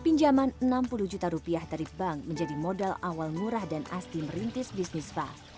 pinjaman enam puluh juta rupiah dari bank menjadi modal awal murah dan asti merintis bisnis spa